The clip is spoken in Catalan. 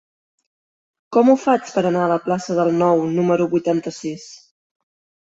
Com ho faig per anar a la plaça del Nou número vuitanta-sis?